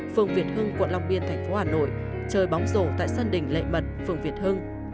phường việt hưng quận long biên thành phố hà nội chơi bóng rổ tại sân đỉnh lệ mật phường việt hưng